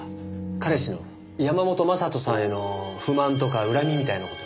彼氏の山本将人さんへの不満とか恨みみたいな事。